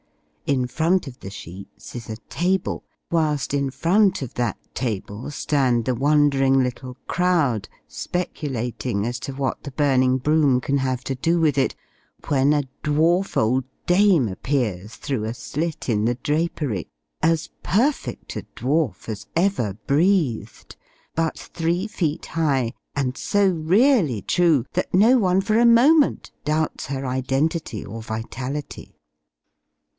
In front of the sheets is a table; whilst in front of that table, stand the wondering little crowd, speculating as to what the burning broom can have to do with it, when a dwarf old dame appears, through a slit in the drapery as perfect a dwarf as ever breathed, but three feet high, and so really true that no one for a moment doubts her identity or vitality.